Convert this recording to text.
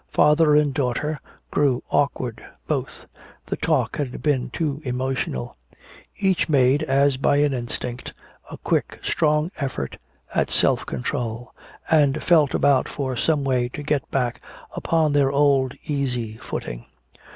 Father and daughter grew awkward, both. The talk had been too emotional. Each made, as by an instinct, a quick strong effort at self control, and felt about for some way to get back upon their old easy footing.